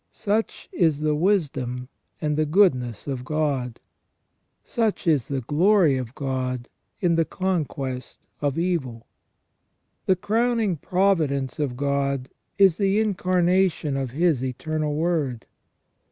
Such is the wisdom and the goodness of God. Such is the glory of God in the conquest of evil. The crowning providence of God is the Incarnation of His Eternal Word.